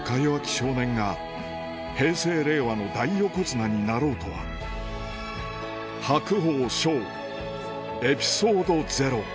少年が平成令和の大横綱になろうとは白鵬翔エピソードゼロ